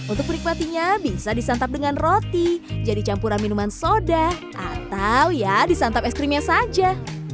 untuk menikmatinya bisa disantap dengan roti jadi campuran minuman soda atau ya disantap es krimnya saja